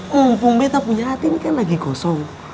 mumpung beta punya hati ini kan lagi kosong